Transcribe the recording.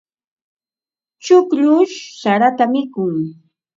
Chukllush sarata mikun.